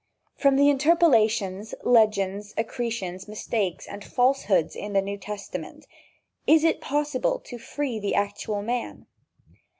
From the interpolations, legends, accretions, mistakes and falsehoods in the New Testament is it possible to free the actual man?